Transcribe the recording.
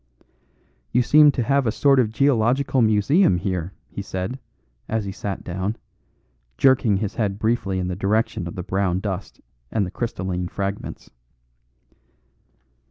"You seem to have a sort of geological museum here," he said, as he sat down, jerking his head briefly in the direction of the brown dust and the crystalline fragments.